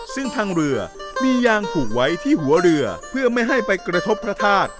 ซึ่งทางเรือมียางผูกไว้ที่หัวเรือเพื่อไม่ให้ไปกระทบพระธาตุ